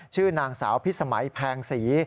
ชื่อนางสาวพิสมัยแพงศรี